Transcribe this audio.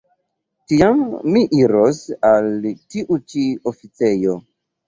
Tiam mi iros al tiu ĉi oficejo.